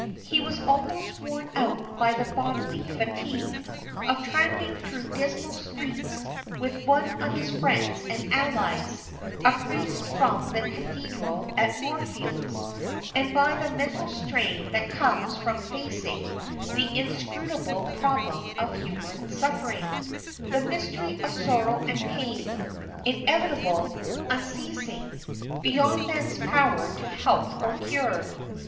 He was almost worn out by the bodily fatigue of tramping those dismal streets with one of his friends and allies, a priest from the Cathedral at Moorfields; and by the mental strain that comes from facing the inscrutable problem of human suffering the mystery of sorrow and pain, inevitable, unceasing, beyond man's power to help or cure.